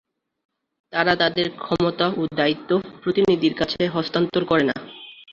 তারা তাদের ক্ষমতা ও দায়িত্ব প্রতিনিধির কাছে হস্তান্তর করে না।